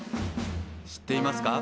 知っていますか？